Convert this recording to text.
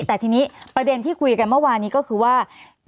แต่ทีนี้ประเด็นที่คุยกันเมื่อวานนี้ก็คือว่า